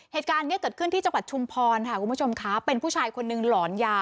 เหตุการณ์นี้เกิดขึ้นที่จังหวัดชุมพรค่ะคุณผู้ชมค่ะเป็นผู้ชายคนนึงหลอนยา